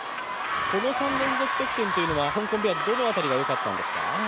この３連続得点というのは香港ペア、どの辺りが良かったんですか？